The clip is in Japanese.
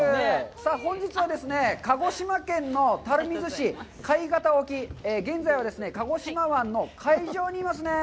本日は、鹿児島県の垂水市海潟沖、現在は鹿児島湾の海上にいますね。